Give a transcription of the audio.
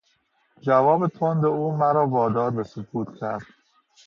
جواب تند او مرا وادار به سکوت کرد.